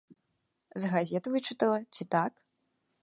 З газет вычытала, ці так?